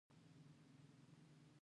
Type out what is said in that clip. زه د استاد خبرې لیکم.